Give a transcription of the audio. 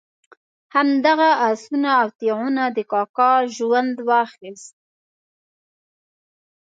همدغه آسونه او تیغونه د کاکا ژوند واخیست.